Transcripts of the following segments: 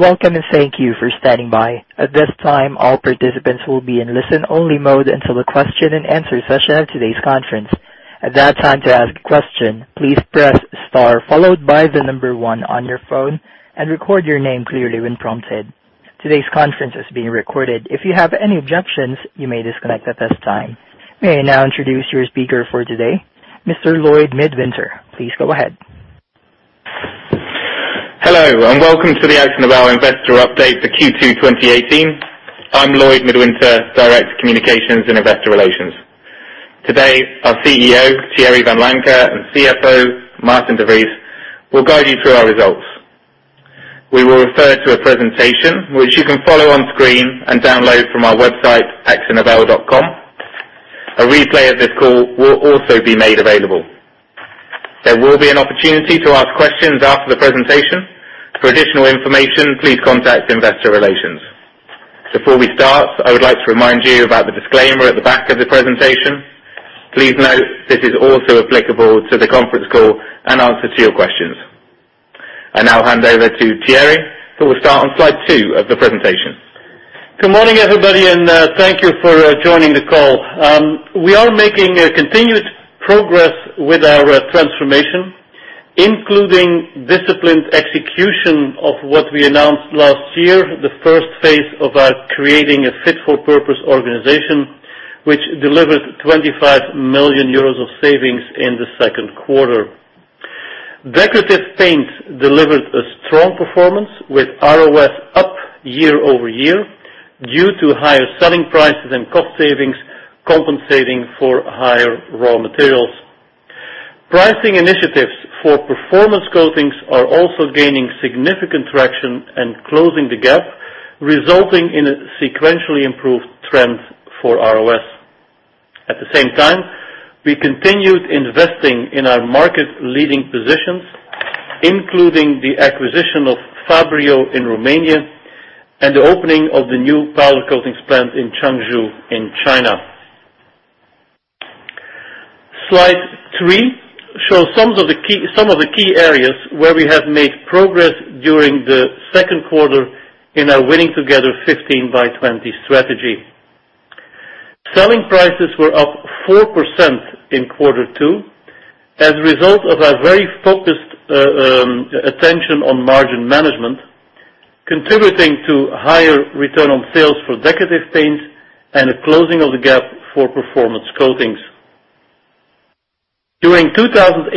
Welcome. Thank you for standing by. At this time, all participants will be in listen-only mode until the question and answer session of today's conference. At that time, to ask a question, please press star followed by the 1 on your phone and record your name clearly when prompted. Today's conference is being recorded. If you have any objections, you may disconnect at this time. May I now introduce your speaker for today, Mr. Lloyd Midwinter. Please go ahead. Hello, and welcome to the AkzoNobel Investor Update for Q2 2018. I'm Lloyd Midwinter, Director of Communications and Investor Relations. Today, our CEO, Thierry Vanlancker, and CFO, Maarten de Vries, will guide you through our results. We will refer to a presentation, which you can follow on screen and download from our website, akzonobel.com. A replay of this call will also be made available. There will be an opportunity to ask questions after the presentation. For additional information, please contact investor relations. Before we start, I would like to remind you about the disclaimer at the back of the presentation. Please note this is also applicable to the conference call and answer to your questions. I now hand over to Thierry, who will start on slide two of the presentation. Good morning, everybody. Thank you for joining the call. We are making continued progress with our transformation, including disciplined execution of what we announced last year, the first phase of our creating a fit-for-purpose organization, which delivered 25 million euros of savings in the second quarter. Decorative Paints delivered a strong performance with ROS up year-over-year due to higher selling prices and cost savings compensating for higher raw materials. Pricing initiatives for Performance Coatings are also gaining significant traction and closing the gap, resulting in a sequentially improved trend for ROS. At the same time, we continued investing in our market-leading positions, including the acquisition of Fabryo in Romania and the opening of the new Powder Coatings plant in Changzhou in China. Slide three shows some of the key areas where we have made progress during the second quarter in our Winning together: 15 by 20 strategy. Selling prices were up 4% in quarter two as a result of our very focused attention on margin management, contributing to higher return on sales for Decorative Paints and a closing of the gap for Performance Coatings. During 2018,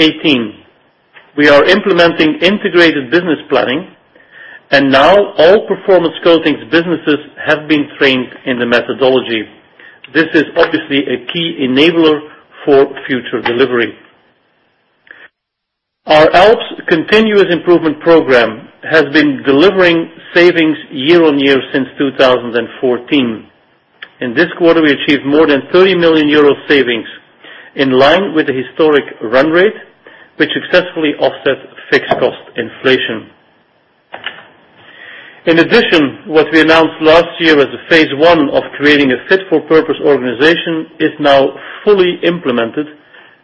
we are implementing integrated business planning. Now all Performance Coatings businesses have been trained in the methodology. This is obviously a key enabler for future delivery. Our ALPS continuous improvement program has been delivering savings year-on-year since 2014. In this quarter, we achieved more than 30 million euro savings in line with the historic run rate, which successfully offset fixed cost inflation. In addition, what we announced last year as a phase one of creating a fit-for-purpose organization is now fully implemented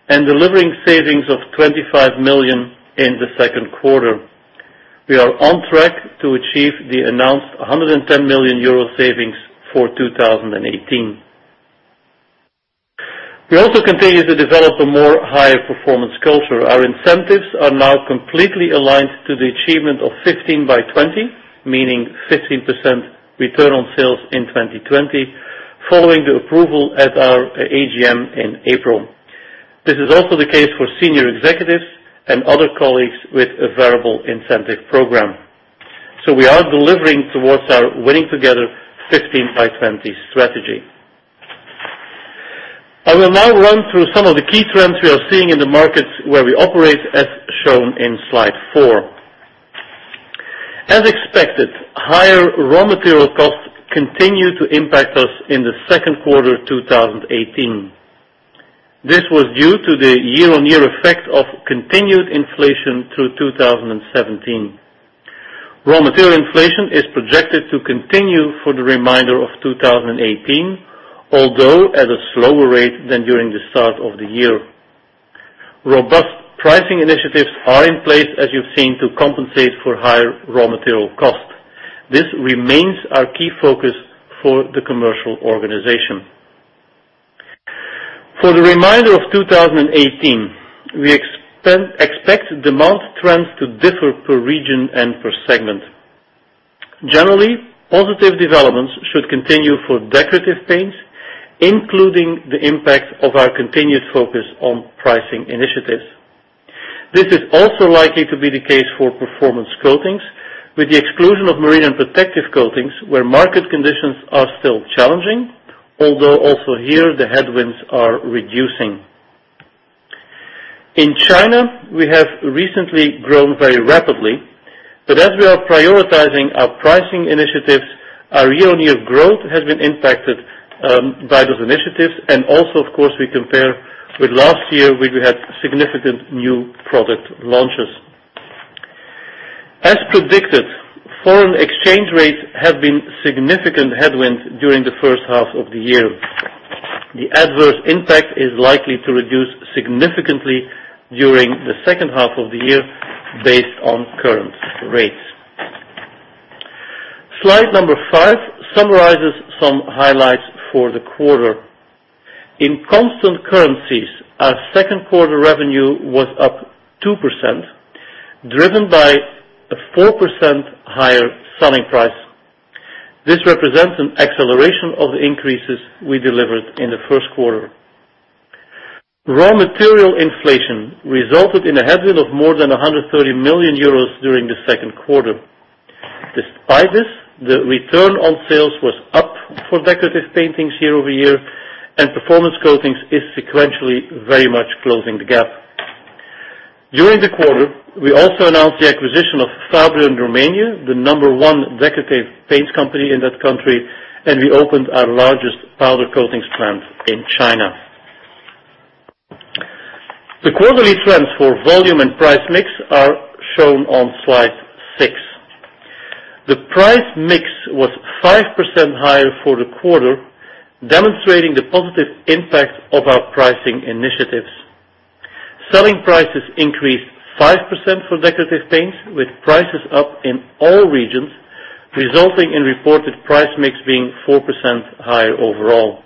and delivering savings of 25 million in the second quarter. We are on track to achieve the announced 110 million euro savings for 2018. We also continue to develop a more higher performance culture. Our incentives are now completely aligned to the achievement of 15 by 20, meaning 15% return on sales in 2020, following the approval at our AGM in April. This is also the case for senior executives and other colleagues with a variable incentive program. We are delivering towards our Winning together: 15 by 20 strategy. I will now run through some of the key trends we are seeing in the markets where we operate, as shown in slide four. As expected, higher raw material costs continue to impact us in the second quarter 2018. This was due to the year-on-year effect of continued inflation through 2017. Raw material inflation is projected to continue for the remainder of 2018, although at a slower rate than during the start of the year. Robust pricing initiatives are in place, as you've seen, to compensate for higher raw material costs. This remains our key focus for the commercial organization. For the remainder of 2018, we expect demand trends to differ per region and per segment. Generally, positive developments should continue for Decorative Paints, including the impact of our continued focus on pricing initiatives. This is also likely to be the case for Performance Coatings, with the exclusion of Marine and Protective Coatings, where market conditions are still challenging, although also here, the headwinds are reducing. In China, we have recently grown very rapidly, but as we are prioritizing our pricing initiatives, our year-on-year growth has been impacted by those initiatives and also, of course, we compare with last year, where we had significant new product launches. As predicted, foreign exchange rates have been significant headwinds during the first half of the year. The adverse impact is likely to reduce significantly during the second half of the year based on current rates. Slide number five summarizes some highlights for the quarter. In constant currencies, our second quarter revenue was up 2%, driven by a 4% higher selling price. This represents an acceleration of the increases we delivered in the first quarter. Raw material inflation resulted in a headwind of more than 130 million euros during the second quarter. Despite this, the return on sales was up for Decorative Paints year-over-year, and Performance Coatings is sequentially very much closing the gap. During the quarter, we also announced the acquisition of Fabryo in Romania, the number one Decorative Paints company in that country, and we opened our largest Powder Coatings plant in China. The quarterly trends for volume and price mix are shown on slide six. The price mix was 5% higher for the quarter, demonstrating the positive impact of our pricing initiatives. Selling prices increased 5% for Decorative Paints, with prices up in all regions, resulting in reported price mix being 4% higher overall.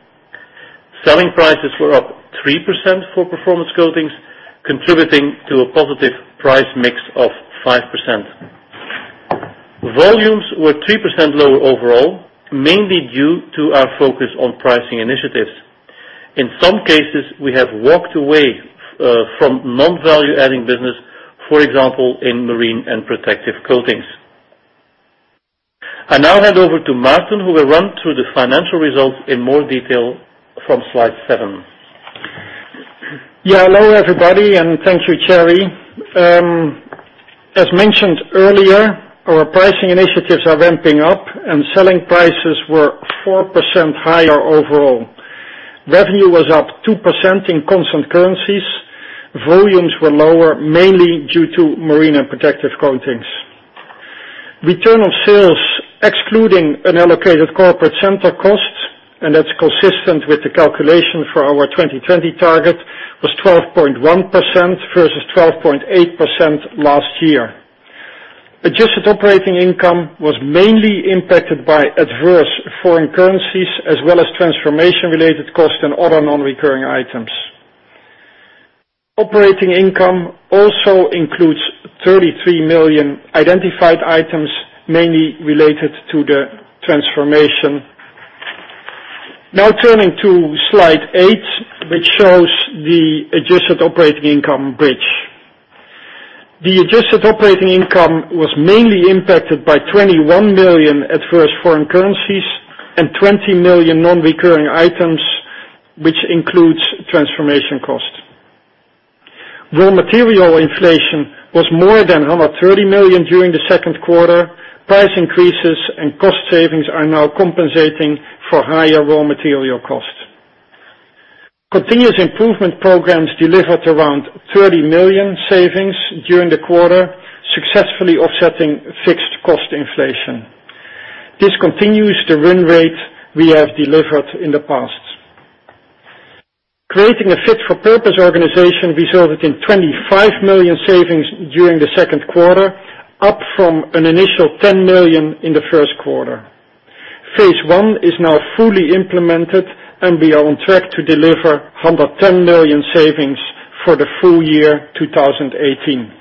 Selling prices were up 3% for Performance Coatings, contributing to a positive price mix of 5%. Volumes were 3% lower overall, mainly due to our focus on pricing initiatives. In some cases, we have walked away from non-value adding business, for example, in Marine and Protective Coatings. I now hand over to Maarten, who will run through the financial results in more detail from slide seven. Yeah. Hello, everybody, and thank you, Thierry. As mentioned earlier, our pricing initiatives are ramping up and selling prices were 4% higher overall. Revenue was up 2% in constant currencies. Volumes were lower, mainly due to Marine and Protective Coatings. Return on sales, excluding an allocated corporate center cost, and that's consistent with the calculation for our 2020 target, was 12.1% versus 12.8% last year. Adjusted operating income was mainly impacted by adverse foreign currencies as well as transformation-related costs and other non-recurring items. Operating income also includes 33 million identified items, mainly related to the transformation. Turning to slide eight, which shows the adjusted operating income bridge. The adjusted operating income was mainly impacted by 21 million adverse foreign currencies and 20 million non-recurring items, which includes transformation costs. Raw material inflation was more than 130 million during the second quarter. Price increases and cost savings are now compensating for higher raw material costs. Continuous improvement programs delivered around 30 million savings during the quarter, successfully offsetting fixed cost inflation. This continues the win rate we have delivered in the past. Creating a fit for purpose organization resulted in 25 million savings during the second quarter, up from an initial 10 million in the first quarter. Phase 1 is now fully implemented and we are on track to deliver 110 million savings for the full year 2018.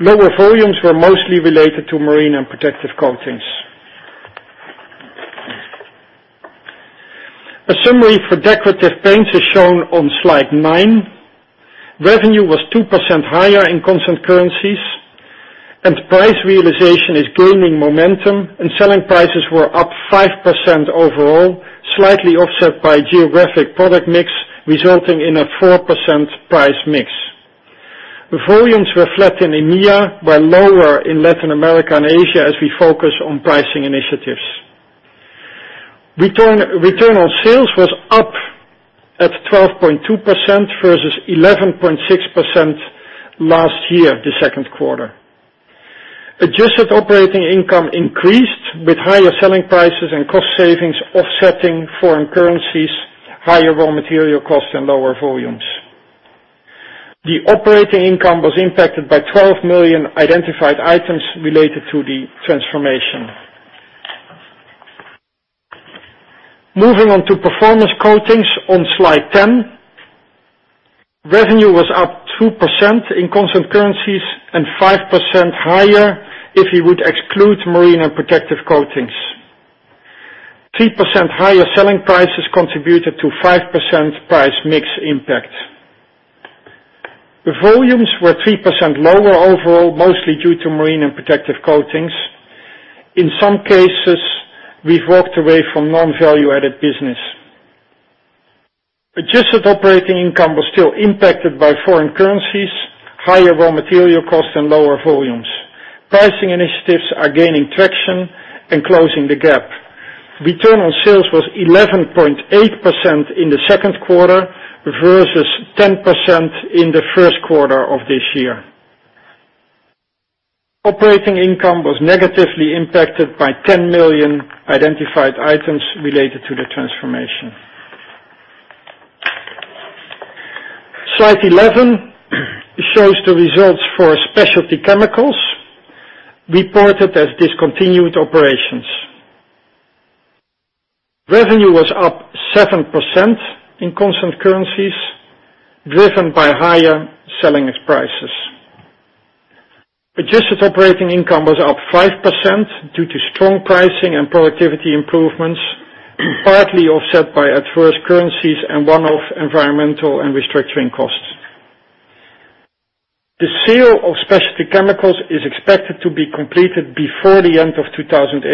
Lower volumes were mostly related to Marine and Protective Coatings. A summary for Decorative Paints is shown on slide nine. Revenue was 2% higher in constant currencies. Price realization is gaining momentum and selling prices were up 5% overall, slightly offset by geographic product mix, resulting in a 4% price mix. Volumes were flat in EMEA, were lower in Latin America and Asia as we focus on pricing initiatives. Return on sales was up at 12.2% versus 11.6% last year, the second quarter. Adjusted operating income increased with higher selling prices and cost savings offsetting foreign currencies, higher raw material costs, and lower volumes. Operating income was impacted by 12 million identified items related to the transformation. Moving on to Performance Coatings on slide 10. Revenue was up 2% in constant currencies and 5% higher if you would exclude Marine and Protective Coatings. 3% higher selling prices contributed to 5% price mix impact. The volumes were 3% lower overall, mostly due to Marine and Protective Coatings. In some cases, we've walked away from non-value-added business. Adjusted operating income was still impacted by foreign currencies, higher raw material costs, and lower volumes. Pricing initiatives are gaining traction and closing the gap. Return on sales was 11.8% in the second quarter versus 10% in the first quarter of this year. Operating income was negatively impacted by 10 million identified items related to the transformation. Slide 11 shows the results for Specialty Chemicals reported as discontinued operations. Revenue was up 7% in constant currencies, driven by higher selling prices. Adjusted operating income was up 5% due to strong pricing and productivity improvements, partly offset by adverse currencies and one-off environmental and restructuring costs. The sale of Specialty Chemicals is expected to be completed before the end of 2018,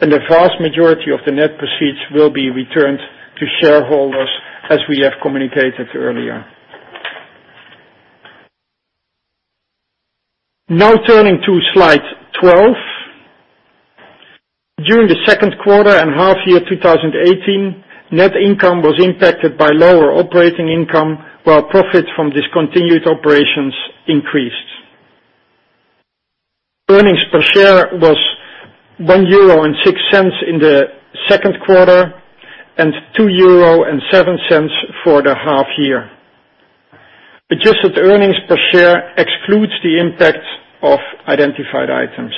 and the vast majority of the net proceeds will be returned to shareholders, as we have communicated earlier. Turning to Slide 12. During the second quarter and half year 2018, Net income was impacted by lower Operating income while Profit from discontinued operations increased. Earnings per share was €1.06 in the second quarter, and €2.07 for the half year. Adjusted earnings per share excludes the impact of identified items.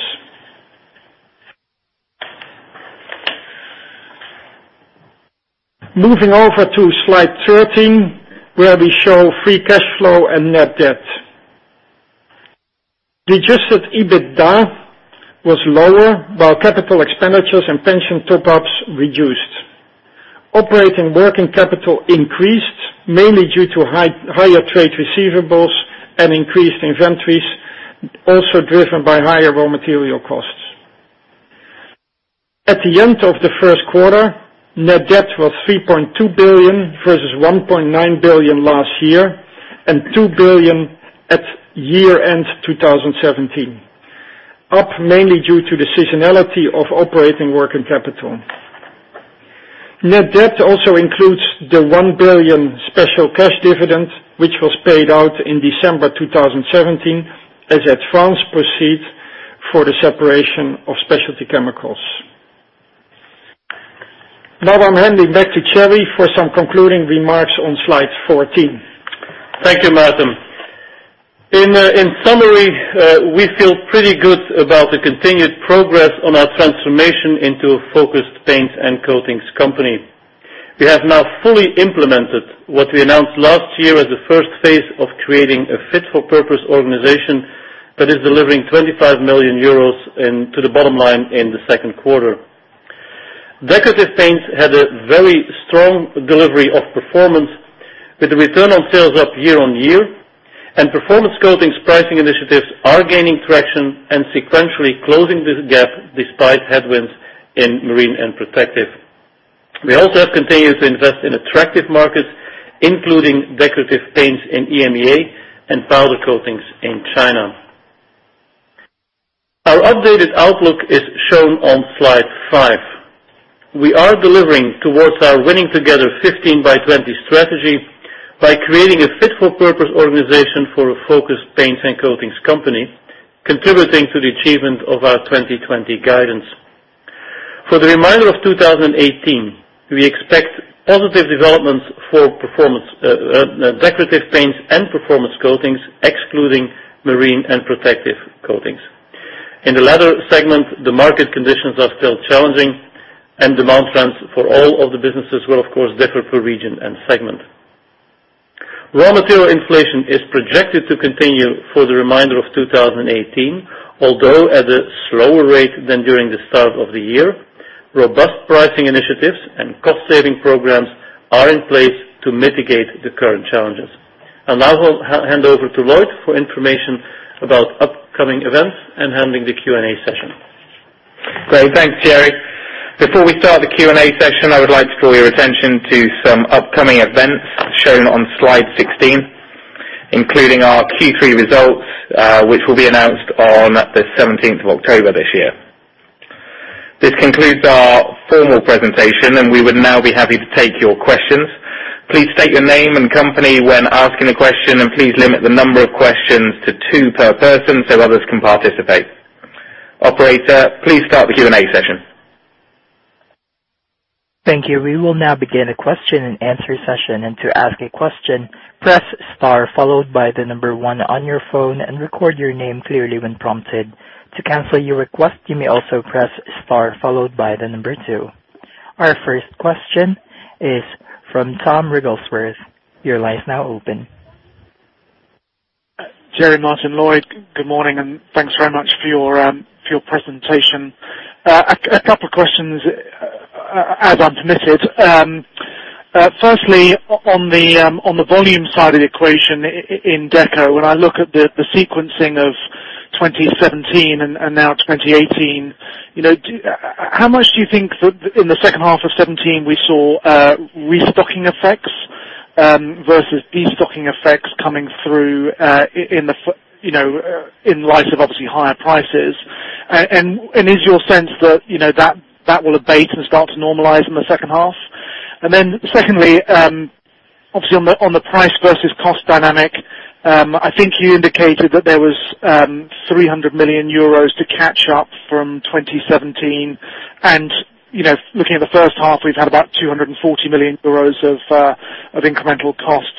Moving over to Slide 13, where we show free cash flow and net debt. Adjusted EBITDA was lower while capital expenditures and pension top-ups reduced. Operating working capital increased mainly due to higher trade receivables and increased inventories, also driven by higher raw material costs. At the end of the first quarter, net debt was 3.2 billion, versus 1.9 billion last year, and 2 billion at year-end 2017, up mainly due to the seasonality of operating working capital. Net debt also includes the 1 billion special cash dividend, which was paid out in December 2017 as advance proceed for the separation of Specialty Chemicals. I'm handing back to Thierry for some concluding remarks on Slide 14. Thank you, Maarten. In summary, we feel pretty good about the continued progress on our transformation into a focused paints and coatings company. We have now fully implemented what we announced last year as the first phase of creating a fit-for-purpose organization that is delivering €25 million into the bottom line in the second quarter. Decorative Paints had a very strong delivery of performance with the return on sales up year-on-year, Performance Coatings pricing initiatives are gaining traction and sequentially closing this gap despite headwinds in Marine and Protective Coatings. We also have continued to invest in attractive markets, including Decorative Paints in EMEA and Powder Coatings in China. Our updated outlook is shown on Slide 5. We are delivering towards our Winning together: 15 by 20 strategy by creating a fit-for-purpose organization for a focused paints and coatings company, contributing to the achievement of our 2020 guidance. For the remainder of 2018, we expect positive developments for Decorative Paints and Performance Coatings, excluding Marine and Protective Coatings. In the latter segment, the market conditions are still challenging, and demand trends for all of the businesses will of course differ per region and segment. Raw material inflation is projected to continue for the remainder of 2018, although at a slower rate than during the start of the year. Robust pricing initiatives and cost-saving programs are in place to mitigate the current challenges. Now I'll hand over to Lloyd for information about upcoming events and handling the Q&A session. Great. Thanks, Thierry. Before we start the Q&A session, I would like to draw your attention to some upcoming events shown on Slide 16, including our Q3 results, which will be announced on the 17th of October this year. This concludes our formal presentation. We would now be happy to take your questions. Please state your name and company when asking a question. Please limit the number of questions to two per person so others can participate. Operator, please start the Q&A session. Thank you. We will now begin the question and answer session. To ask a question, press star followed by the number 1 on your phone and record your name clearly when prompted. To cancel your request, you may also press star followed by the number 2. Our first question is from Thomas Wrigglesworth. Your line is now open. Thierry, Maarten, Lloyd, good morning and thanks very much for your presentation. A couple questions as I'm permitted. Firstly, on the volume side of the equation in Deco, when I look at the sequencing of 2017 and now 2018, how much do you think that in the second half of 2017 we saw restocking effects versus destocking effects coming through in light of obviously higher prices? Is your sense that will abate and start to normalize in the second half? Secondly, obviously on the price versus cost dynamic, I think you indicated that there was 300 million euros to catch up from 2017. Looking at the first half, we've had about 240 million euros of incremental costs.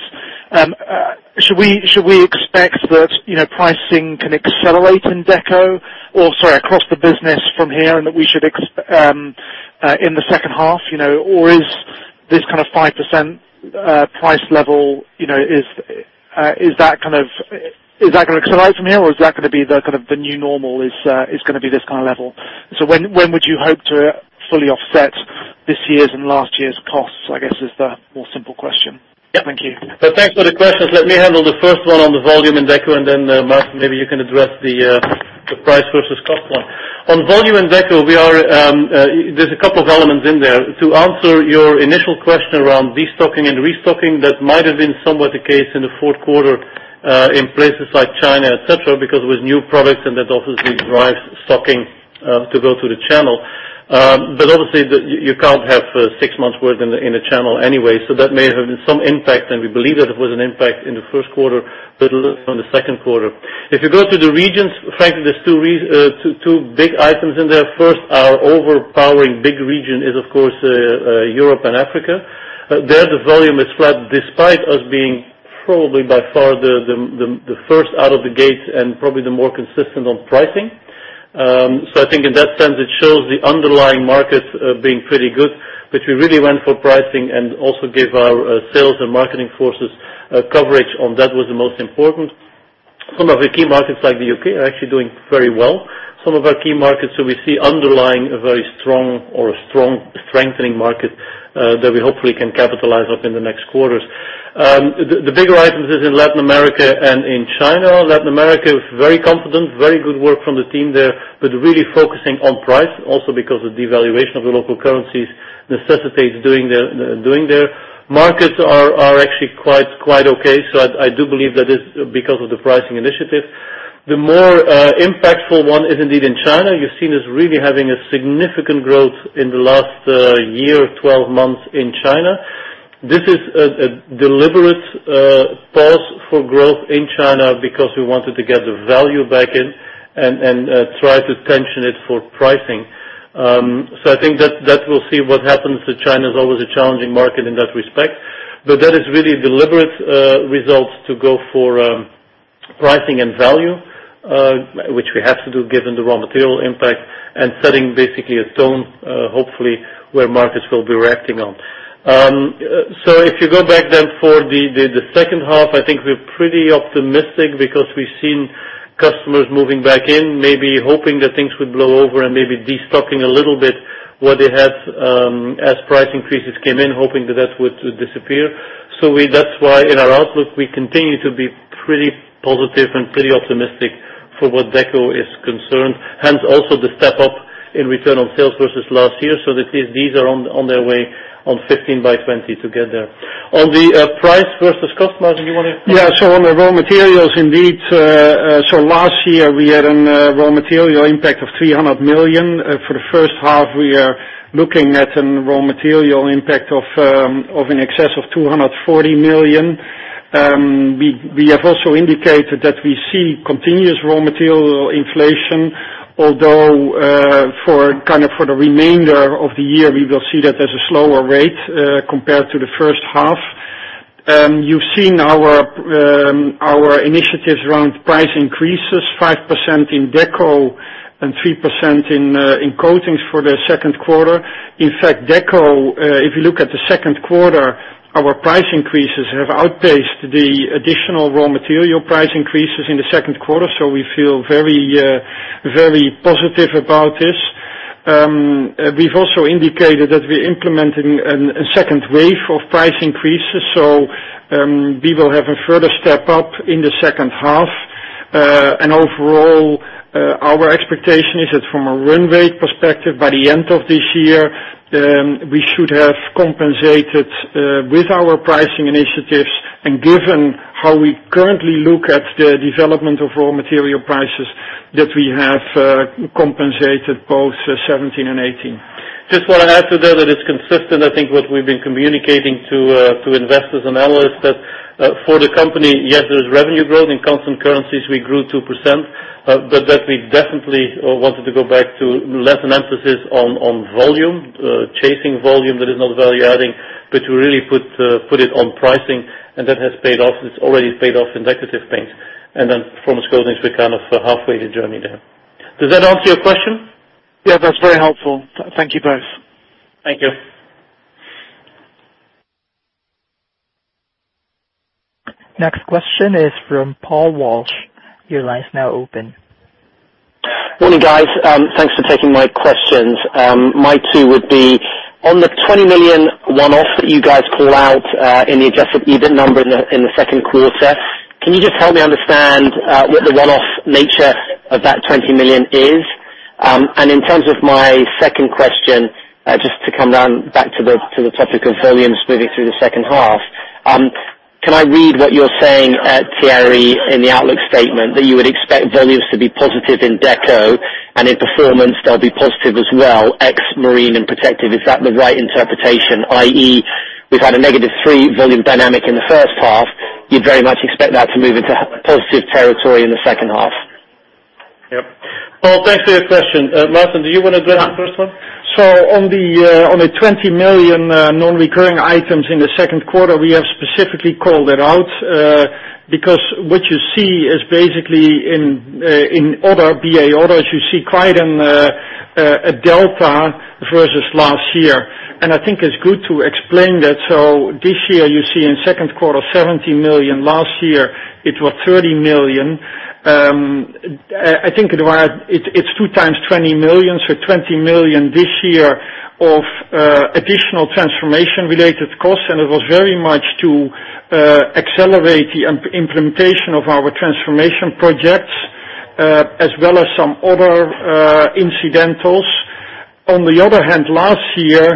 Should we expect that pricing can accelerate in Deco or, sorry, across the business from here, in the second half, or is this kind of 5% price level, is that going to accelerate from here or is that going to be the new normal, is going to be this kind of level? When would you hope to fully offset this year's and last year's costs, I guess is the more simple question. Yeah. Thank you. Thanks for the questions. Let me handle the first one on the volume in Deco and then, Maarten, maybe you can address the price versus cost one. On volume in Deco, there's a couple of elements in there. To answer your initial question around destocking and restocking, that might have been somewhat the case in the fourth quarter, in places like China, et cetera, because it was new products and that obviously drives stocking to go through the channel. But obviously you can't have 6 months worth in the channel anyway, so that may have been some impact, and we believe that it was an impact in the first quarter, little on the second quarter. If you go to the regions, frankly, there's 2 big items in there. First, our overpowering big region is, of course, Europe and Africa. There, the volume is flat, despite us being probably by far the first out of the gate and probably the more consistent on pricing. I think in that sense, it shows the underlying markets being pretty good, but we really went for pricing and also gave our sales and marketing forces coverage on that was the most important. Some of our key markets, like the U.K., are actually doing very well. Some of our key markets that we see underlying a very strong or a strong strengthening market, that we hopefully can capitalize up in the next quarters. The bigger items is in Latin America and in China. Latin America is very confident, very good work from the team there, but really focusing on price, also because of devaluation of the local currencies necessitates doing their markets are actually quite okay. I do believe that is because of the pricing initiative. The more impactful one is indeed in China. You've seen us really having a significant growth in the last year, 12 months in China. This is a deliberate pause for growth in China because we wanted to get the value back in and try to tension it for pricing. I think that we'll see what happens to China, is always a challenging market in that respect. That is really deliberate results to go for pricing and value, which we have to do given the raw material impact and setting basically a tone, hopefully, where markets will be reacting on. If you go back then for the second half, I think we're pretty optimistic because we've seen customers moving back in, maybe hoping that things would blow over and maybe destocking a little bit what they had as price increases came in, hoping that that would disappear. That's why in our outlook, we continue to be pretty positive and pretty optimistic for what Deco is concerned, hence also the step up in return on sales versus last year. These are on their way on 15 by 20 to get there. On the price versus cost margin, you want to. On the raw materials, indeed. Last year we had a raw material impact of 300 million. For the first half, we are looking at a raw material impact of in excess of 240 million. We have also indicated that we see continuous raw material inflation, although for the remainder of the year, we will see that as a slower rate compared to the first half. You've seen our initiatives around price increases, 5% in Deco and 3% in coatings for the second quarter. In fact, Deco, if you look at the second quarter, our price increases have outpaced the additional raw material price increases in the second quarter. We feel very positive about this. We've also indicated that we're implementing a second wave of price increases. We will have a further step up in the second half. Overall, our expectation is that from a run rate perspective, by the end of this year, we should have compensated with our pricing initiatives and given how we currently look at the development of raw material prices that we have compensated both 2017 and 2018. Just what I'll add to that, it is consistent, I think, what we've been communicating to investors and analysts that for the company, yes, there's revenue growth. In constant currencies, we grew 2%, that we definitely wanted to go back to less an emphasis on volume, chasing volume that is not value adding, but to really put it on pricing and that has paid off. It's already paid off in Decorative Paints and then Performance Coatings, we're kind of halfway the journey there. Does that answer your question? That's very helpful. Thank you both. Thank you. Next question is from Paul Walsh. Your line's now open. Morning, guys. Thanks for taking my questions. My two would be on the 20 million one-off that you guys call out in the adjusted EBIT number in the second quarter, can you just help me understand what the one-off nature of that 20 million is? In terms of my second question, back to the topic of volumes moving through the second half. Can I read what you're saying, Thierry, in the outlook statement, that you would expect volumes to be positive in Deco and in Performance they'll be positive as well, ex Marine and Protective? Is that the right interpretation, i.e., we've had a negative three volume dynamic in the first half, you'd very much expect that to move into positive territory in the second half? Yep. Paul, thanks for your question. Maarten, do you want to address the first one? On the 20 million non-recurring items in the second quarter, we have specifically called it out, because what you see is basically in other BA Other, you see quite a delta versus last year. I think it is good to explain that. This year, you see in second quarter, 70 million. Last year, it was 30 million. I think it is 2 times 20 million, so 20 million this year of additional transformation related costs. It was very much to accelerate the implementation of our transformation projects, as well as some other incidentals. On the other hand, last year,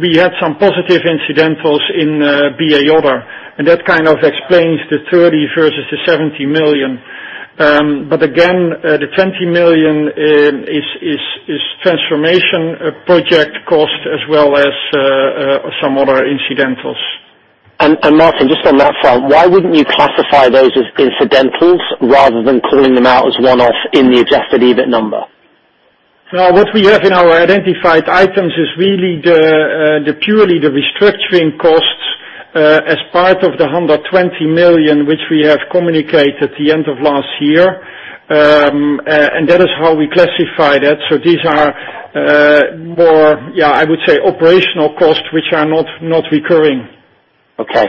we had some positive incidentals in BA Other, and that kind of explains the 30 versus the 70 million. Again, the 20 million is transformation project cost as well as some other incidentals. Maarten, just on that front, why wouldn't you classify those as incidentals rather than calling them out as one-off in the adjusted EBIT number? What we have in our identified items is really purely the restructuring costs as part of the 120 million, which we have communicated at the end of last year. That is how we classify that. These are more, I would say, operational costs, which are not recurring. Okay.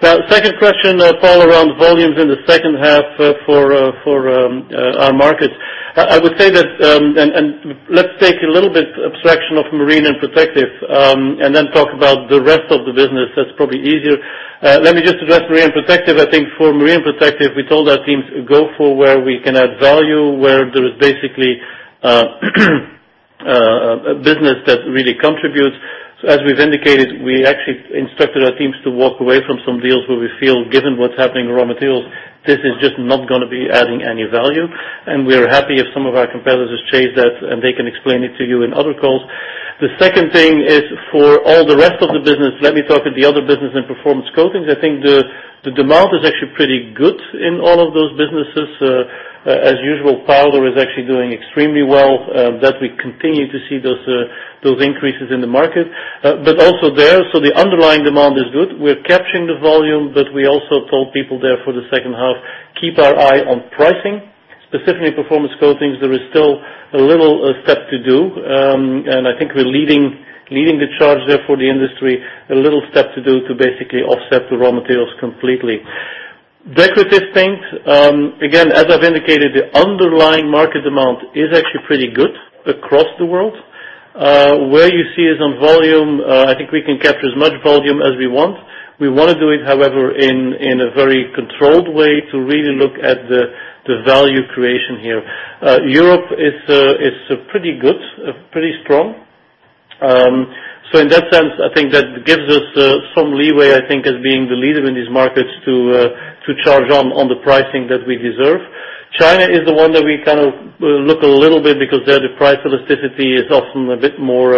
The second question, Paul, around volumes in the second half for our markets. I would say that, let us take a little bit abstraction of Marine and Protective, and then talk about the rest of the business. That is probably easier. Let me just address Marine and Protective. I think for Marine and Protective, we told our teams go for where we can add value, where there is basically a business that really contributes. As we have indicated, we actually instructed our teams to walk away from some deals where we feel, given what is happening in raw materials, this is just not going to be adding any value. We are happy if some of our competitors chase that, and they can explain it to you in other calls. The second thing is for all the rest of the business, let me talk of the other business in Performance Coatings. I think the demand is actually pretty good in all of those businesses. As usual, Powder is actually doing extremely well, that we continue to see those increases in the market. Also there, the underlying demand is good. We're capturing the volume, but we also told people there for the second half, keep our eye on pricing, specifically Performance Coatings. There is still a little step to do. I think we're leading the charge there for the industry, a little step to do to basically offset the raw materials completely. Decorative Paints, again, as I've indicated, the underlying market demand is actually pretty good across the world. Where you see is on volume, I think we can capture as much volume as we want. We want to do it, however, in a very controlled way to really look at the value creation here. Europe is pretty good, pretty strong. In that sense, I think that gives us some leeway, I think, as being the leader in these markets to charge on the pricing that we deserve. China is the one that we kind of look a little bit because there, the price elasticity is often a bit more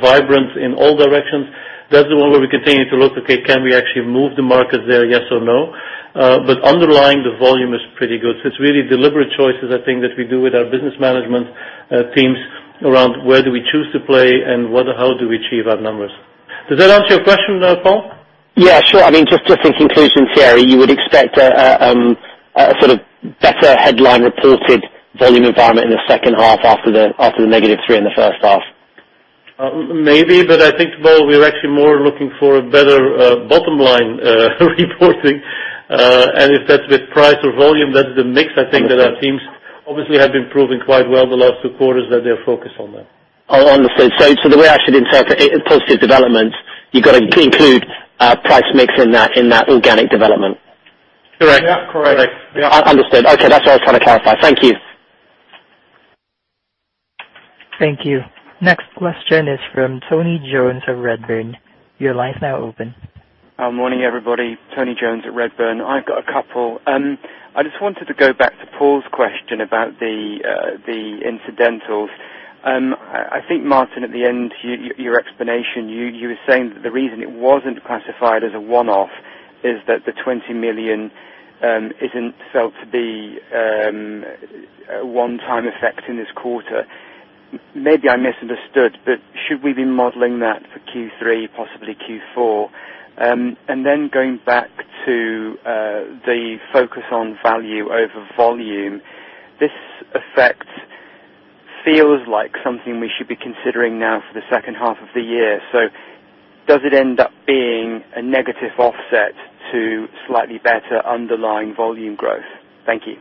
vibrant in all directions. That's the one where we continue to look, okay, can we actually move the market there, yes or no? Underlying the volume is pretty good. It's really deliberate choices, I think, that we do with our business management teams around where do we choose to play and how do we achieve our numbers. Does that answer your question, Paul? Yeah, sure. Just in conclusion, Thierry, you would expect a sort of better headline reported volume environment in the second half after the negative three in the first half. Maybe, I think, Paul, we're actually more looking for a better bottom line reporting, and if that's with price or volume, that's the mix I think that our teams obviously have been proving quite well the last two quarters, that they're focused on that. Oh, understood. The way I should interpret positive developments, you got to include price mix in that organic development. Correct. Yeah, correct. Understood. Okay. That's what I was trying to clarify. Thank you. Thank you. Next question is from Tony Jones of Redburn. Your line's now open. Morning, everybody. Tony Jones at Redburn. I've got a couple. I just wanted to go back to Paul's question about the incidentals. I think Maarten, at the end, your explanation, you were saying that the reason it wasn't classified as a one-off is that the 20 million isn't felt to be a one-time effect in this quarter. Maybe I misunderstood, should we be modeling that for Q3, possibly Q4? Going back to the focus on value over volume, this effect feels like something we should be considering now for the second half of the year. Does it end up being a negative offset to slightly better underlying volume growth? Thank you.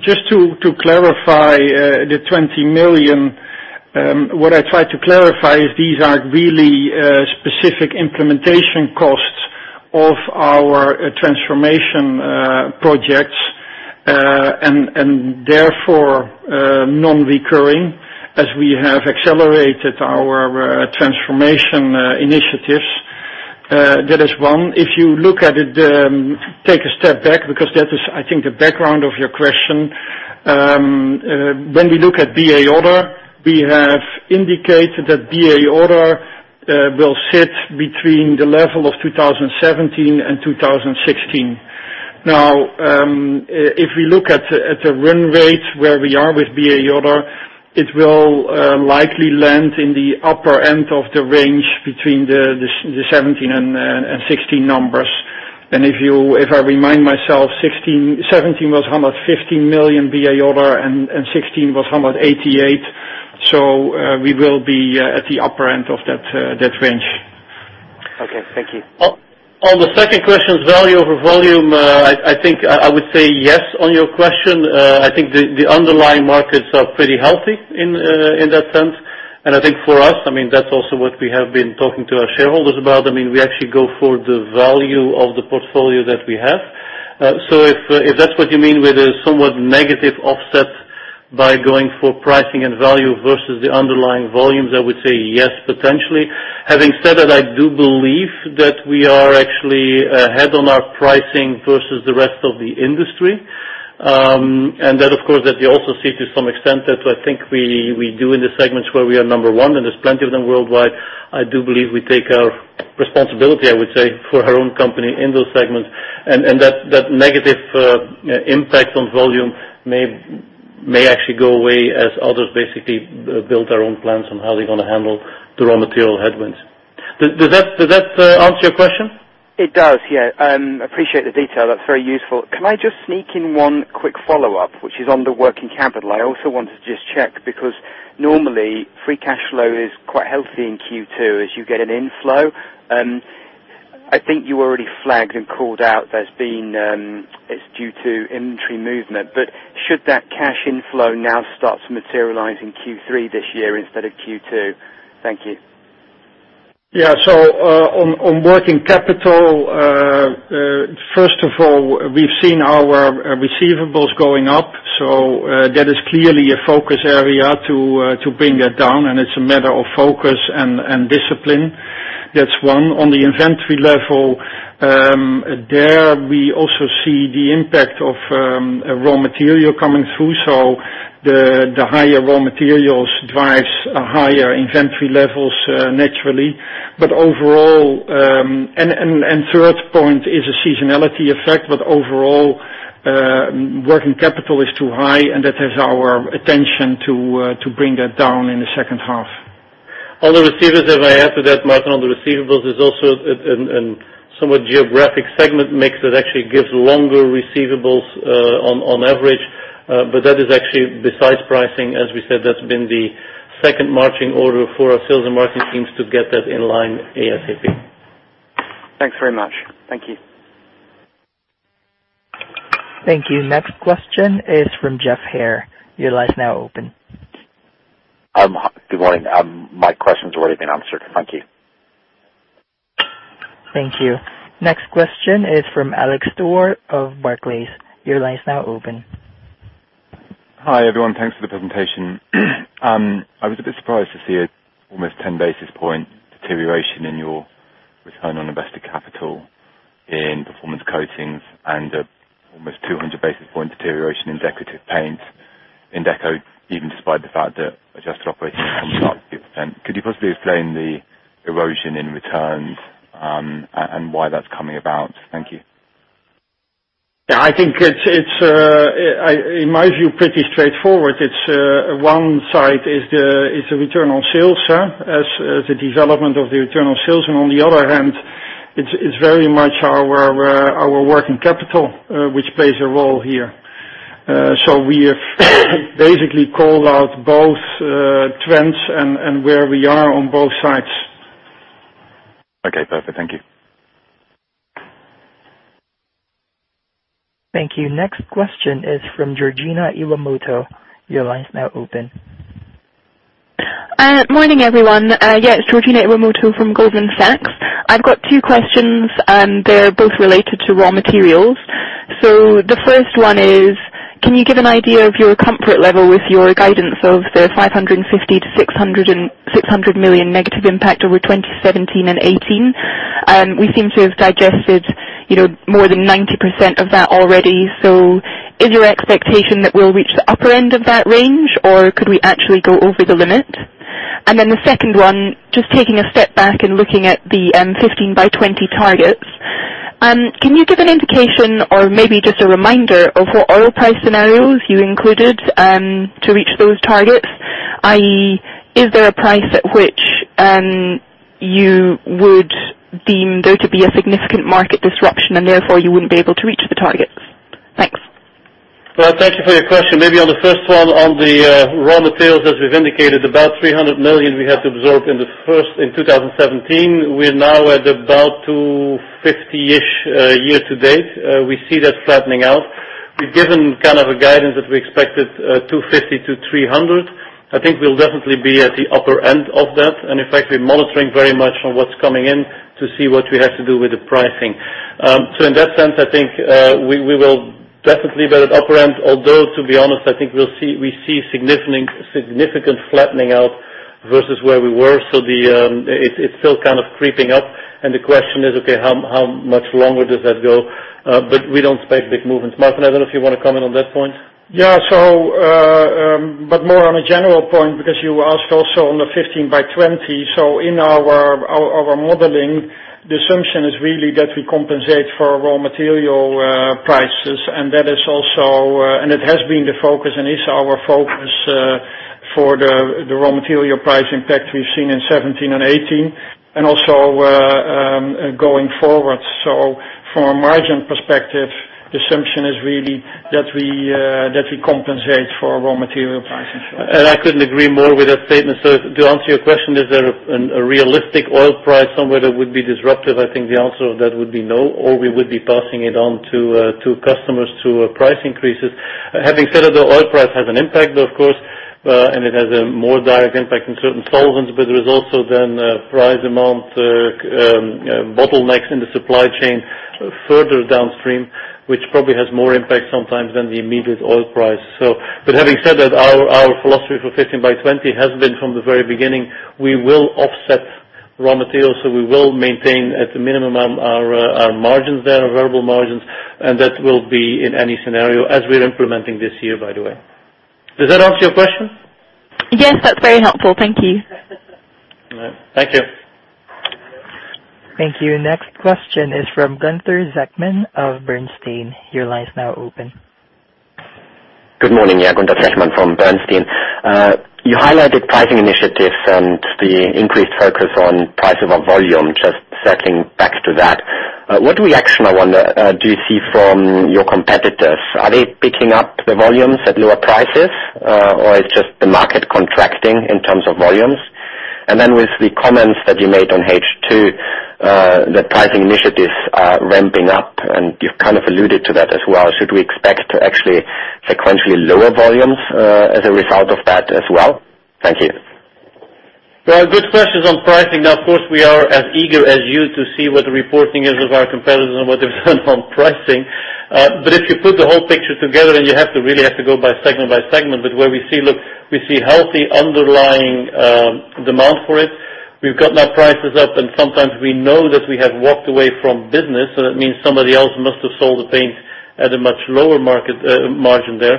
Just to clarify the 20 million, what I try to clarify is these are really specific implementation costs of our transformation projects, and therefore non-recurring, as we have accelerated our transformation initiatives. That is one. If you look at it, take a step back, because that is, I think, the background of your question. When we look at BA Other, we have indicated that BA Other will sit between the level of 2017 and 2016. If we look at the run rate where we are with BA Other, it will likely land in the upper end of the range between the 2017 and 2016 numbers. If I remind myself, 2017 was 115 million BA Other, and 2016 was 188. We will be at the upper end of that range. Okay. Thank you. On the second question, value over volume, I think I would say yes on your question. I think the underlying markets are pretty healthy in that sense. I think for us, that's also what we have been talking to our shareholders about. We actually go for the value of the portfolio that we have. If that's what you mean with a somewhat negative offset by going for pricing and value versus the underlying volumes, I would say yes, potentially. Having said that, I do believe that we are actually ahead on our pricing versus the rest of the industry. That, of course, that you also see to some extent that I think we do in the segments where we are number 1, and there's plenty of them worldwide. I do believe we take our responsibility, I would say, for our own company in those segments. That negative impact on volume may actually go away as others basically build their own plans on how they're going to handle the raw material headwinds. Does that answer your question? It does, yeah. Appreciate the detail. That's very useful. Can I just sneak in one quick follow-up, which is on the working capital? I also wanted to just check, because normally, free cash flow is quite healthy in Q2 as you get an inflow. I think you already flagged and called out there's been, it's due to inventory movement. Should that cash inflow now start to materialize in Q3 this year instead of Q2? Thank you. Yeah. On working capital, first of all, we've seen our receivables going up, so that is clearly a focus area to bring that down, and it's a matter of focus and discipline. That's one. On the inventory level, there, we also see the impact of raw material coming through. The higher raw materials drives higher inventory levels naturally. Third point is a seasonality effect, but overall, working capital is too high, and that has our attention to bring that down in the second half. On the receivables, if I add to that, Maarten, on the receivables, there's also a somewhat geographic segment mix that actually gives longer receivables on average. That is actually besides pricing, as we said, that's been the second marching order for our sales and marketing teams to get that in line ASAP. Thanks very much. Thank you. Thank you. Next question is from Geoff Haire. Your line's now open. Good morning. My question's already been answered. Thank you. Thank you. Next question is from Alex Stewart of Barclays. Your line's now open. Hi, everyone. Thanks for the presentation. I was a bit surprised to see a almost 10 basis point deterioration in your return on invested capital in Performance Coatings and a almost 200 basis point deterioration in Decorative Paints in Deco, even despite the fact that adjusted operating income was up 50%. Could you possibly explain the erosion in returns, and why that's coming about? Thank you. Yeah, I think it's, in my view, pretty straightforward. It's one side is the return on sales, as the development of the return on sales. On the other hand, it's very much our working capital, which plays a role here. We have basically called out both trends and where we are on both sides. Okay, perfect. Thank you. Thank you. Next question is from Georgina Fraser. Your line's now open. Morning, everyone. Yeah. It's Georgina Fraser from Goldman Sachs. I've got two questions, and they're both related to raw materials. The first one is, can you give an idea of your comfort level with your guidance of the 550 million-600 million negative impact over 2017 and 2018? We seem to have digested more than 90% of that already. Is your expectation that we'll reach the upper end of that range, or could we actually go over the limit? The second one, just taking a step back and looking at the 15 by 20 targets. Can you give an indication or maybe just a reminder of what oil price scenarios you included to reach those targets? I.e., is there a price at which you would deem there to be a significant market disruption and therefore you wouldn't be able to reach the targets? Thanks. Well, thank you for your question. Maybe on the first one, on the raw materials, as we've indicated, about 300 million we had to absorb in 2017. We're now at about 250-ish year to date. We see that flattening out. We've given kind of a guidance that we expected 250-300. I think we'll definitely be at the upper end of that, and in fact, we're monitoring very much on what's coming in to see what we have to do with the pricing. In that sense, I think we will definitely be at the upper end, although, to be honest, I think we see significant flattening out versus where we were. It's still kind of creeping up, and the question is, okay, how much longer does that go? We don't expect big movements. Maarten, I don't know if you want to comment on that point. Yeah. More on a general point, because you asked also on the 15 by 20. In our modeling, the assumption is really that we compensate for raw material prices. It has been the focus and is our focus for the raw material price impact we've seen in 2017 and 2018 and also going forward. From a margin perspective, the assumption is really that we compensate for raw material pricing. I couldn't agree more with that statement. To answer your question, is there a realistic oil price somewhere that would be disruptive? I think the answer to that would be no, or we would be passing it on to customers through price increases. Having said that, the oil price has an impact, of course, and it has a more direct impact in certain solvents, but there's also then price amount bottlenecks in the supply chain further downstream, which probably has more impact sometimes than the immediate oil price. Having said that, our philosophy for 15 by 20 has been from the very beginning, we will offset raw materials, so we will maintain at a minimum our margins there, our variable margins, and that will be in any scenario as we're implementing this year, by the way. Does that answer your question? Yes, that's very helpful. Thank you. All right. Thank you. Thank you. Next question is from Gunther Zechmann of Bernstein. Your line is now open. Good morning. Yeah, Gunther Zechmann from Bernstein. You highlighted pricing initiatives and the increased focus on price over volume. Just circling back to that. What reaction, I wonder, do you see from your competitors? Are they picking up the volumes at lower prices? Is it just the market contracting in terms of volumes? With the comments that you made on H2, the pricing initiatives are ramping up, and you've kind of alluded to that as well. Should we expect to actually sequentially lower volumes, as a result of that as well? Thank you. Well, good questions on pricing. Of course, we are as eager as you to see what the reporting is of our competitors and what they've done on pricing. If you put the whole picture together, and you really have to go by segment by segment, where we see healthy underlying demand for it, we've got now prices up, and sometimes we know that we have walked away from business, so that means somebody else must have sold the paint at a much lower margin there.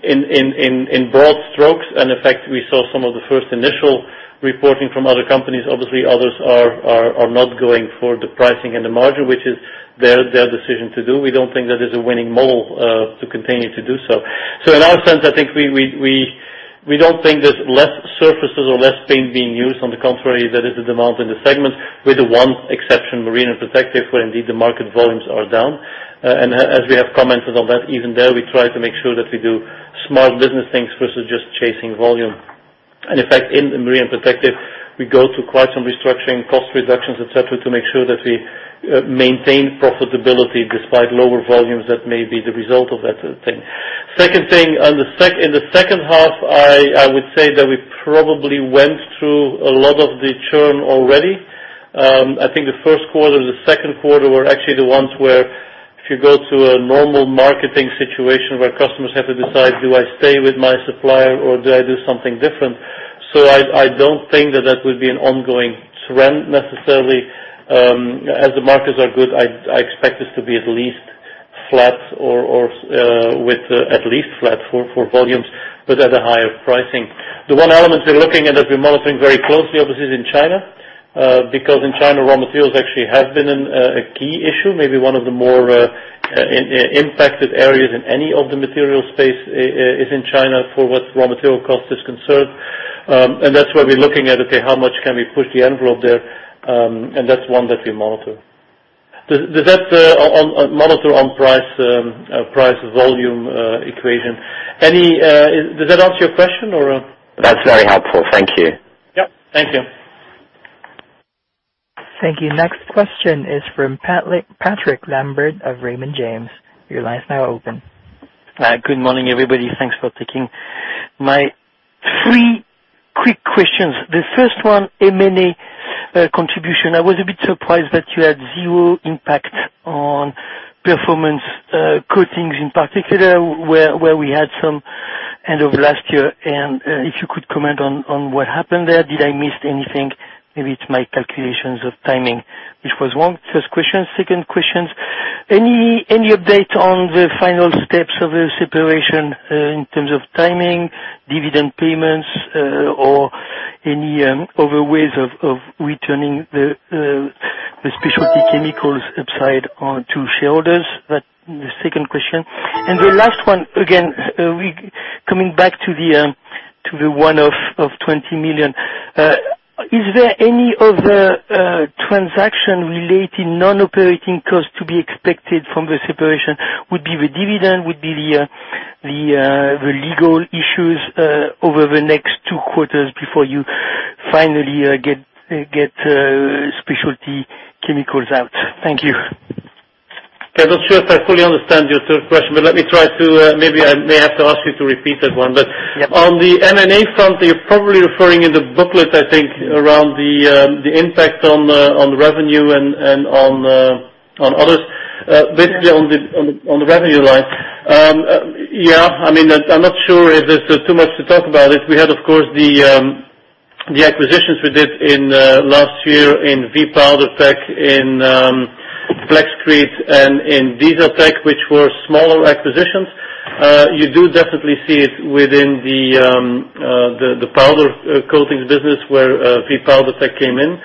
In broad strokes, and in fact, we saw some of the first initial reporting from other companies. Obviously, others are not going for the pricing and the margin, which is their decision to do. We don't think that is a winning model to continue to do so. In our sense, I think we don't think there's less surfaces or less paint being used. On the contrary, there is a demand in the segment with the one exception, Marine and Protective, where indeed the market volumes are down. As we have commented on that, even there, we try to make sure that we do smart business things versus just chasing volume. In fact, in Marine and Protective, we go to quite some restructuring, cost reductions, et cetera, to make sure that we maintain profitability despite lower volumes that may be the result of that thing. Second thing, in the second half, I would say that we probably went through a lot of the churn already. I think the first quarter, the second quarter were actually the ones where if you go to a normal marketing situation where customers have to decide, do I stay with my supplier or do I do something different? I don't think that that would be an ongoing trend necessarily. As the markets are good, I expect this to be at least flat for volumes, but at a higher pricing. The one element we're looking at, that we're monitoring very closely, obviously, is in China. In China, raw materials actually have been a key issue. Maybe one of the more impacted areas in any of the material space, is in China for what raw material cost is concerned. That's where we're looking at, okay, how much can we push the envelope there? That's one that we monitor. Does that monitor on price volume equation. Does that answer your question or? That's very helpful. Thank you. Yep. Thank you. Thank you. Next question is from Patrick Lambert of Raymond James. Your line is now open. Good morning, everybody. Thanks for taking my three quick questions. The first one, M&A contribution. I was a bit surprised that you had zero impact on Performance Coatings in particular, where we had some end of last year. If you could comment on what happened there. Did I miss anything? Maybe it's my calculations of timing. Which was one first question. Second question, any update on the final steps of the separation in terms of timing, dividend payments, or any other ways of returning the Specialty Chemicals upside to shareholders? That the second question. The last one, again, coming back to the one-off of 20 million. Is there any other transaction relating non-operating costs to be expected from the separation? Would be the dividend, would be the legal issues over the next two quarters before you finally get Specialty Chemicals out. Thank you. Okay. Not sure if I fully understand your third question. Let me try to, maybe I may have to ask you to repeat that one. Yeah. On the M&A front, you're probably referring in the booklet, I think, around the impact on the revenue and on others. Basically on the revenue line. I'm not sure if there's too much to talk about it. We had, of course, the acquisitions we did in last year in V.Powdertech, in Flexcrete, and in Disa Technology, which were smaller acquisitions. You do definitely see it within the Powder Coatings business where V.Powdertech came in.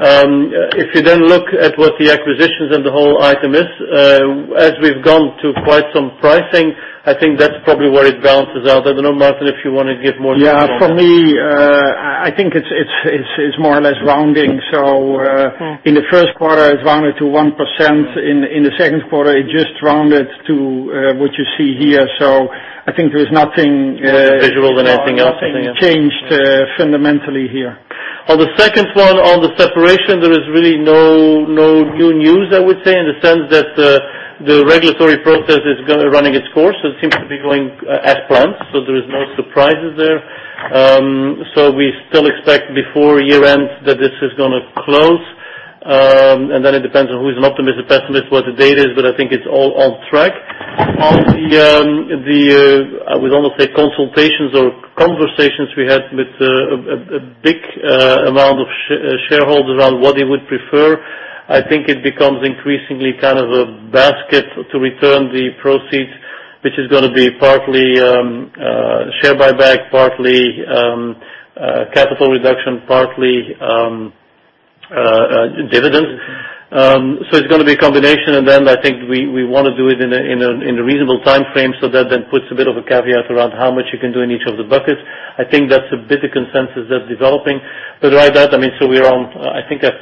You look at what the acquisitions and the whole item is, as we've gone through quite some pricing, I think that's probably where it balances out. I don't know, Maarten, if you want to give more detail. For me, I think it's more or less rounding. In the first quarter, it rounded to 1%. In the second quarter, it just rounded to what you see here. I think there is nothing. More visual than anything else Nothing changed fundamentally here. On the second one, on the separation, there is really no new news, I would say, in the sense that the regulatory process is running its course. It seems to be going as planned, so there is no surprises there. We still expect before year-end that this is going to close. Then it depends on who's an optimist or pessimist, what the date is. I think it's all on track. On the, I would almost say consultations or conversations we had with a big amount of shareholders around what they would prefer, I think it becomes increasingly a basket to return the proceeds, which is going to be partly share buyback, partly capital reduction, partly dividends. It's going to be a combination, and then I think we want to do it in a reasonable timeframe, so that then puts a bit of a caveat around how much you can do in each of the buckets. I think that's a bit of consensus that's developing. Right that, so we are on I think as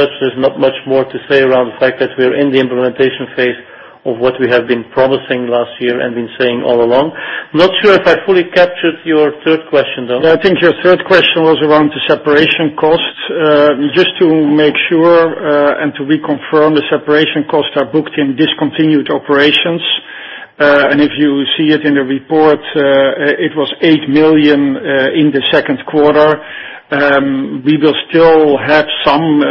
such, there's not much more to say around the fact that we are in the implementation phase of what we have been promising last year and been saying all along. Not sure if I fully captured your third question, though. No, I think your third question was around the separation costs. Just to make sure, to reconfirm, the separation costs are booked in discontinued operations. If you see it in the report, it was 8 million in the second quarter. We will still have some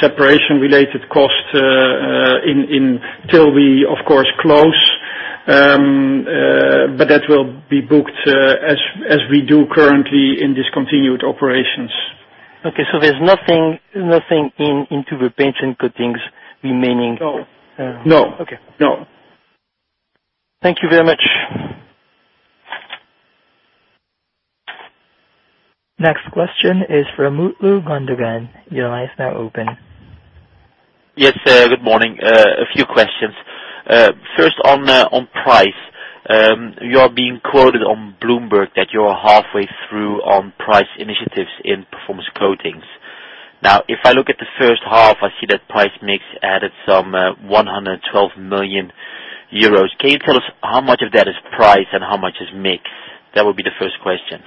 separation-related costs until we, of course, close. That will be booked as we do currently in discontinued operations. Okay, there's nothing into the paints and coatings remaining? No. Okay. No. Thank you very much. Next question is from Mutlu Gundogan. Your line is now open. Yes. Good morning. A few questions. First on price. You are being quoted on Bloomberg that you are halfway through on price initiatives in Performance Coatings. Now, if I look at the first half, I see that price mix added some 112 million euros. Can you tell us how much of that is price and how much is mix? That would be the first question.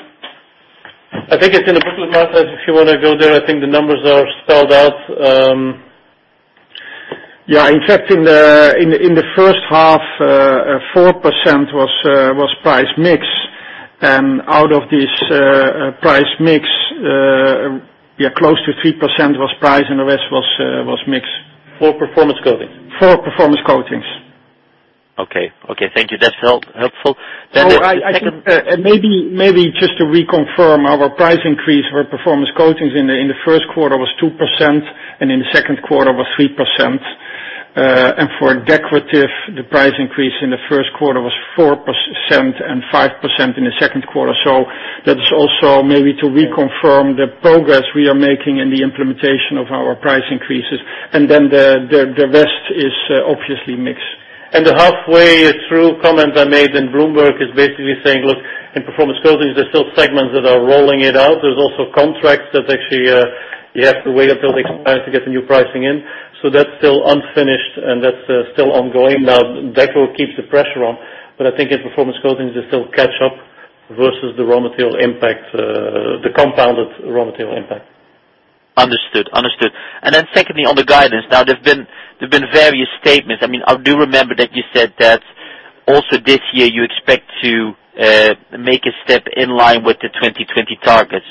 I think it's in the booklet, Maarten, if you want to go there. I think the numbers are spelled out. Yeah. In fact, in the first half, 4% was price mix. Out of this price mix, close to 3% was price, and the rest was mix. For Performance Coatings? For Performance Coatings. Okay. Thank you. That's helpful. Maybe just to reconfirm, our price increase for Performance Coatings in the first quarter was 2%, in the second quarter was 3%. For Decorative, the price increase in the first quarter was 4% and 5% in the second quarter. That is also maybe to reconfirm the progress we are making in the implementation of our price increases. The rest is obviously mix. The halfway through comment I made in Bloomberg is basically saying, look, in Performance Coatings, there's still segments that are rolling it out. There's also contracts that actually you have to wait until they expire to get the new pricing in. That's still unfinished, and that's still ongoing. Now Deco keeps the pressure on, but I think in Performance Coatings, they still catch up versus the raw material impact, the compounded raw material impact. Understood. Secondly, on the guidance. There's been various statements. I do remember that you said that also this year you expect to make a step in line with the 2020 target.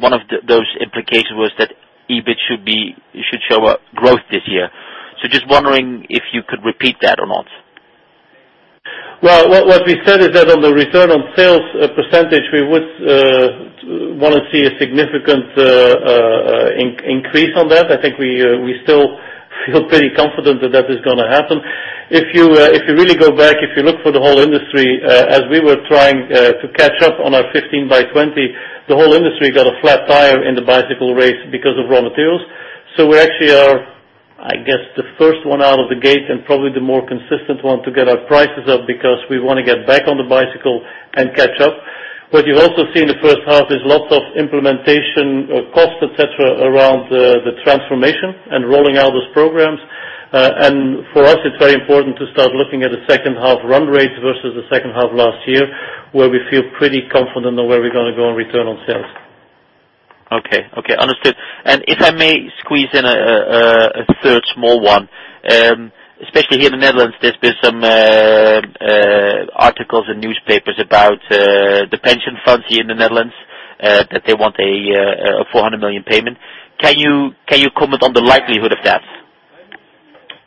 One of those implications was that EBIT should show a growth this year. Just wondering if you could repeat that or not. Well, what we said is that on the return on sales percentage, we would want to see a significant increase on that. I think we still feel pretty confident that that is going to happen. If you really go back, if you look for the whole industry, as we were trying to catch up on our 15 by 20, the whole industry got a flat tire in the bicycle race because of raw materials. We actually are, I guess, the first one out of the gate and probably the more consistent one to get our prices up because we want to get back on the bicycle and catch up. What you also see in the first half is lots of implementation costs, et cetera, around the transformation and rolling out those programs. For us, it's very important to start looking at the second half run rate versus the second half last year, where we feel pretty confident on where we're going to go on return on sales. Okay. Understood. If I may squeeze in a third small one. Especially here in the Netherlands, there's been some articles in newspapers about the pension funds here in the Netherlands, that they want a 400 million payment. Can you comment on the likelihood of that?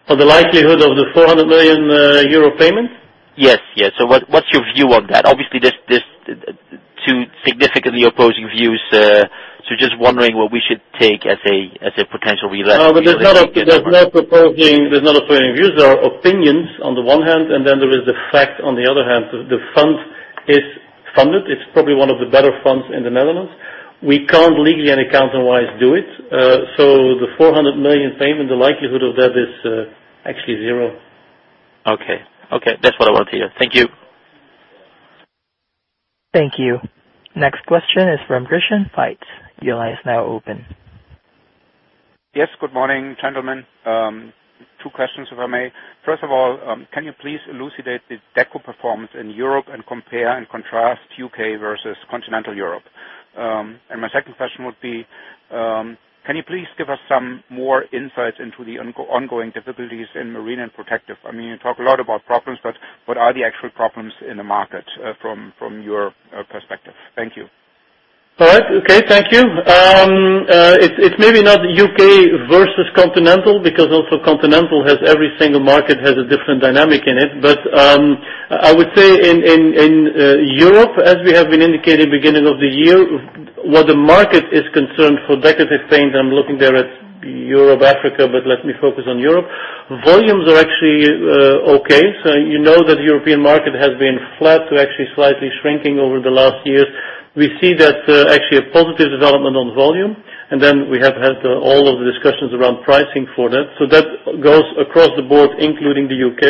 On the likelihood of the 400 million euro payment? Yes. What's your view on that? Obviously, there's two significantly opposing views. Just wondering what we should take as a potential relapse. No, there's no opposing views. There are opinions on the one hand, and then there is the fact on the other hand, the fund is funded. It's probably one of the better funds in the Netherlands. We can't legally and account-wise do it. The 400 million payment, the likelihood of that is actually zero. Okay. That's what I want to hear. Thank you. Thank you. Next question is from Christian Faitz. Your line is now open. Yes. Good morning, gentlemen. Two questions, if I may. First of all, can you please elucidate the Deco performance in Europe and compare and contrast U.K. versus continental Europe? My second question would be, can you please give us some more insight into the ongoing difficulties in Marine and Protective? You talk a lot about problems, but what are the actual problems in the market from your perspective? Thank you. All right. Okay, thank you. It's maybe not U.K. versus continental, because also continental, every single market has a different dynamic in it. I would say in Europe, as we have been indicating beginning of the year, where the market is concerned for Decorative Paints, I'm looking there at Europe, Africa, but let me focus on Europe. Volumes are actually okay. You know that European market has been flat to actually slightly shrinking over the last years. We see that actually a positive development on volume, then we have had all of the discussions around pricing for that. That goes across the board, including the U.K.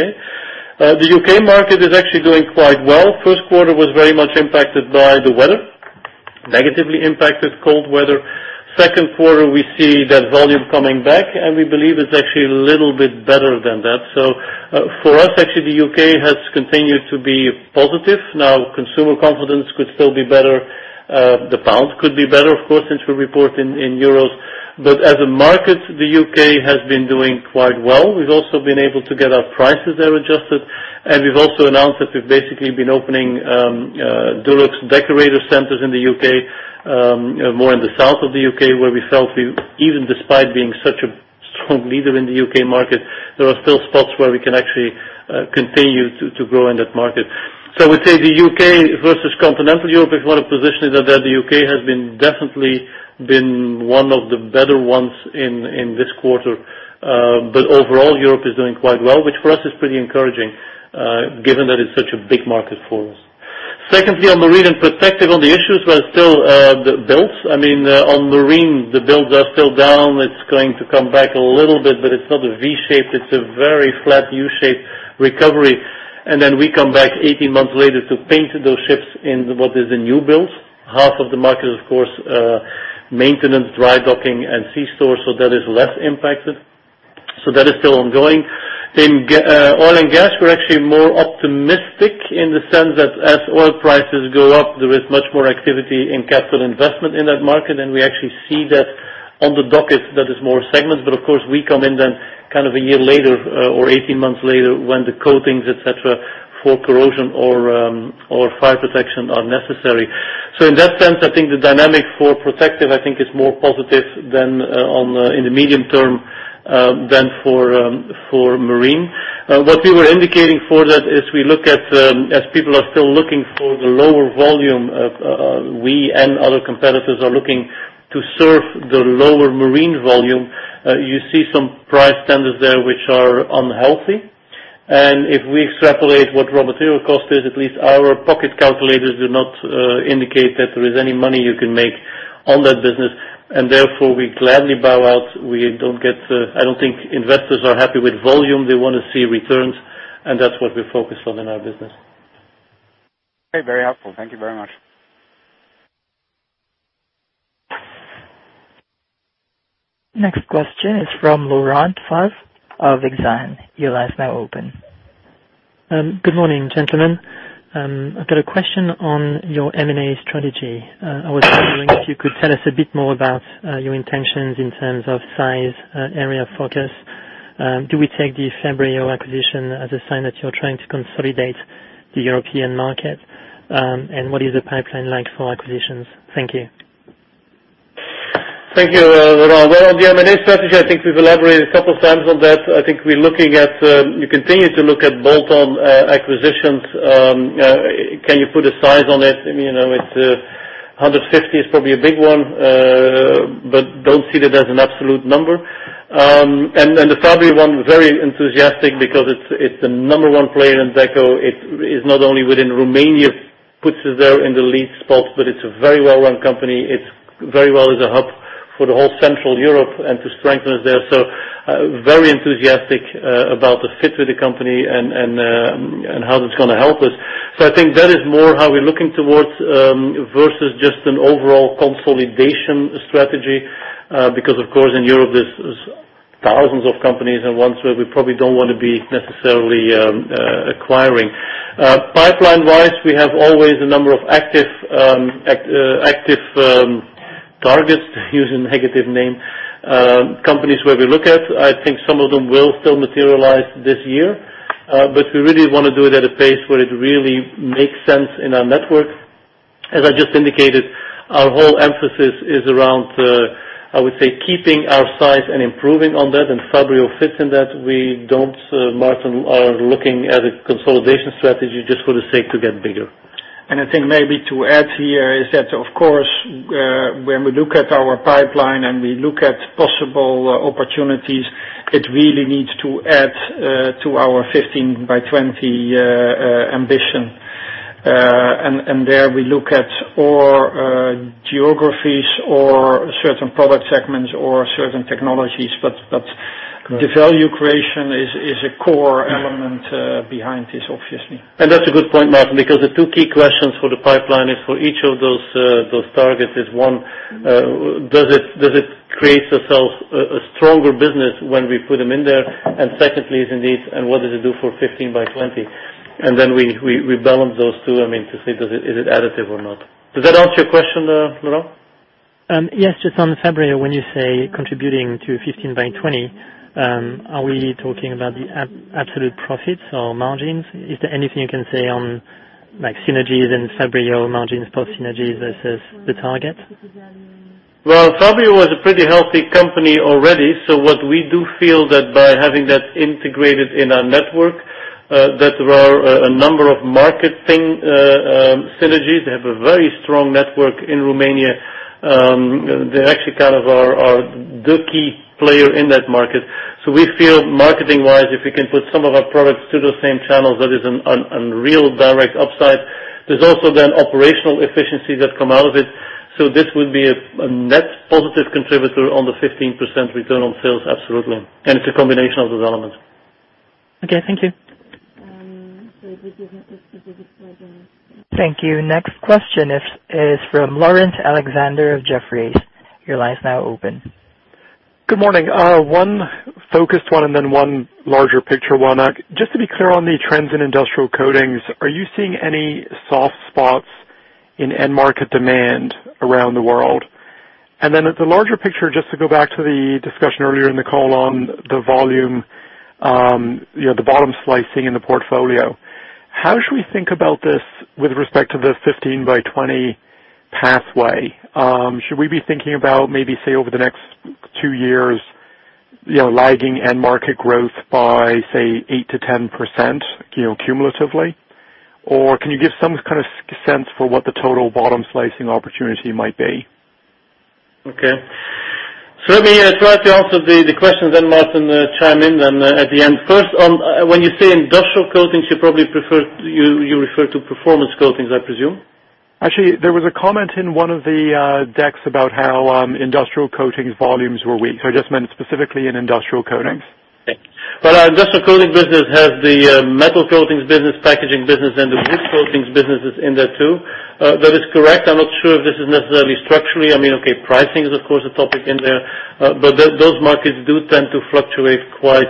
The U.K. market is actually doing quite well. First quarter was very much impacted by the weather, negatively impacted, cold weather. Second quarter, we see that volume coming back, and we believe it's actually a little bit better than that. For us, actually, the U.K. has continued to be positive. Now, consumer confidence could still be better. The pound could be better, of course, since we report in euros. As a market, the U.K. has been doing quite well. We've also been able to get our prices there adjusted, and we've also announced that we've basically been opening Dulux Decorator Centre in the U.K., more in the south of the U.K., where we felt we, even despite being such a strong leader in the U.K. market, there are still spots where we can actually continue to grow in that market. I would say the U.K. versus continental Europe, if you want to position it, that the U.K. has definitely been one of the better ones in this quarter. Overall, Europe is doing quite well, which for us is pretty encouraging, given that it's such a big market for us. Secondly, on Marine and Protective on the issues where still the builds. On Marine, the builds are still down. It's going to come back a little bit, but it's not a V-shaped, it's a very flat U-shaped recovery. Then we come back 18 months later to paint those ships in what is the new builds. Half of the market is, of course, maintenance, dry docking, and sea stores, so that is less impacted. That is still ongoing. In oil and gas, we're actually more optimistic in the sense that as oil prices go up, there is much more activity in capital investment in that market. We actually see that on the docket, that is more segments. Of course, we come in then kind of a year later or 18 months later when the coatings, et cetera, for corrosion or fire protection are necessary. In that sense, I think the dynamic for Protective, I think it's more positive in the medium term, than for Marine. What we were indicating for that is we look at, as people are still looking for the lower volume, we and other competitors are looking to serve the lower Marine volume. You see some price tenders there which are unhealthy. If we extrapolate what raw material cost is, at least our pocket calculators do not indicate that there is any money you can make on that business. Therefore, we gladly bow out. I don't think investors are happy with volume. They want to see returns, and that's what we're focused on in our business. Okay. Very helpful. Thank you very much. Next question is from Laurent Favre of Exane. Your line is now open. Good morning, gentlemen. I've got a question on your M&A strategy. I was wondering if you could tell us a bit more about your intentions in terms of size, area of focus. Do we take the Fabryo acquisition as a sign that you're trying to consolidate the European market? What is the pipeline like for acquisitions? Thank you. Thank you, Laurent. On the M&A strategy, I think we've elaborated a couple of times on that. I think we continue to look at bolt-on acquisitions. Can you put a size on it? It's 150 is probably a big one but don't see that as an absolute number. The Fabryo one, very enthusiastic because it's the number one player in Deco. It is not only within Romania, puts us there in the lead spot, but it's a very well-run company. It's very well as a hub for the whole Central Europe to strengthen us there. Very enthusiastic about the fit with the company and how that's going to help us. I think that is more how we're looking towards versus just an overall consolidation strategy, because of course in Europe there's thousands of companies and ones where we probably don't want to be necessarily acquiring. Pipeline-wise, we have always a number of active targets, to use a negative name, companies where we look at. I think some of them will still materialize this year. We really want to do it at a pace where it really makes sense in our network. As I just indicated, our whole emphasis is around, I would say keeping our size and improving on that, and Fabryo fits in that. We don't, Maarten, are looking at a consolidation strategy just for the sake to get bigger. I think maybe to add here is that, of course, when we look at our pipeline and we look at possible opportunities, it really needs to add to our 15 by 20 ambition. There we look at or geographies or certain product segments or certain technologies. The value creation is a core element behind this, obviously. That's a good point, Maarten, because the two key questions for the pipeline is for each of those targets is one, does it create itself a stronger business when we put them in there? Secondly is indeed, what does it do for 15 by 20? We balance those two, to see does it, is it additive or not? Does that answer your question, Laurent? Yes. Just on Fabryo, when you say contributing to 15 by 20, are we talking about the absolute profits or margins? Is there anything you can say on synergies and Fabryo margins post synergies versus the target? Well, Fabryo was a pretty healthy company already. What we do feel that by having that integrated in our network, that there are a number of marketing synergies. They have a very strong network in Romania. They're actually kind of are the key player in that market. We feel marketing wise, if we can put some of our products to the same channels, that is an unreal direct upside. There's also operational efficiencies that come out of it. This would be a net positive contributor on the 15% return on sales, absolutely. It's a combination of those elements. Okay, thank you. Thank you. Next question is from Laurence Alexander of Jefferies. Your line is now open. Good morning. One focused one and then one larger picture one. Just to be clear on the trends in Industrial Coatings, are you seeing any soft spots in end market demand around the world? Then at the larger picture, just to go back to the discussion earlier in the call on the volume, the bottom slicing in the portfolio. How should we think about this with respect to the 15 by 20 pathway? Should we be thinking about maybe, say, over the next two years, lagging end market growth by, say, 8%-10% cumulatively? Can you give some kind of sense for what the total bottom slicing opportunity might be? Okay. Let me try to answer the questions, then Maarten chime in then at the end. First on, when you say Industrial Coatings, you probably refer to Performance Coatings, I presume. Actually, there was a comment in one of the decks about how Industrial Coatings volumes were weak. I just meant specifically in Industrial Coatings. Our Industrial Coatings business has the Metal Coatings business, packaging business, and the Wood Coatings businesses in there too. That is correct. I am not sure if this is necessarily structurally. Pricing is of course a topic in there. Those markets do tend to fluctuate quite